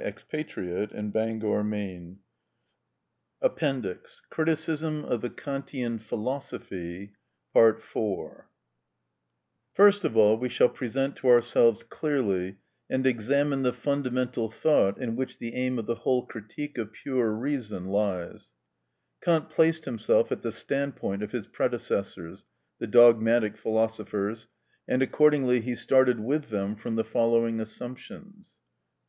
These defects we now desire to search out. ‐‐‐‐‐‐‐‐‐‐‐‐‐‐‐‐‐‐‐‐‐‐‐‐‐‐‐‐‐‐‐‐‐‐‐‐‐ First of all we shall present to ourselves clearly and examine the fundamental thought in which the aim of the whole "Critique of Pure Reason" lies. Kant placed himself at the standpoint of his predecessors, the dogmatic philosophers, and accordingly he started with them from the following assumptions:—(1.)